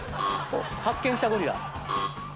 発見したゴリラ。